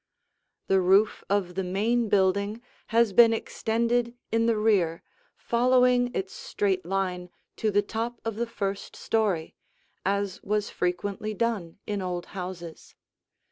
The roof of the main building has been extended in the rear, following its straight line to the top of the first story, as was frequently done in old houses.